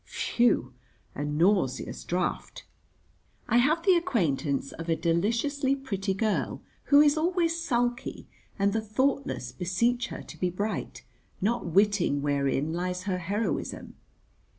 Phew, a nauseous draught. I have the acquaintance of a deliciously pretty girl, who is always sulky, and the thoughtless beseech her to be bright, not witting wherein lies her heroism.